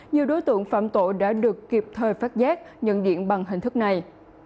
nhiều đối tượng phạm tội đã được kịp thời phát giác nhận điện bằng hình thức này